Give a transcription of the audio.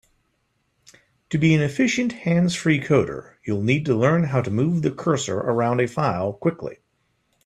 To be an efficient hands-free coder, you'll need to learn how to move the cursor around a file quickly.